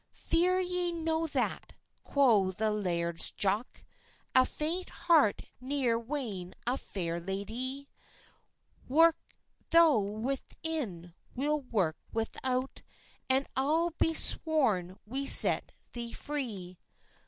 "Fear ye no that," quo the Laird's Jock; "A faint heart neer wan a fair ladie; Work thou within, we'll work without, And I'll be sworn we set thee free."